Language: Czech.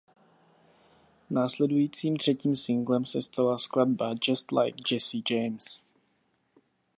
Následujícím třetím singlem se stala skladba "Just Like Jesse James".